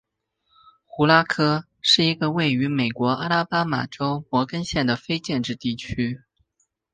胡拉科是一个位于美国阿拉巴马州摩根县的非建制地区。